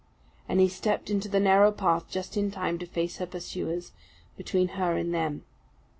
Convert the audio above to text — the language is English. And he stepped into the narrow path just in time to face her pursuers between her and them.